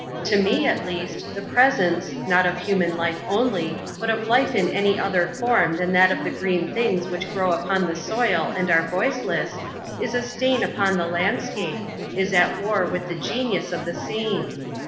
To me, at least, the presence—not of human life only, but of life in any other form than that of the green things which grow upon the soil and are voiceless—is a stain upon the landscape—is at war with the genius of the scene.